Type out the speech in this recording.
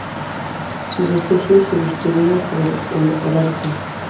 Sus especies se distribuyen por el holártico.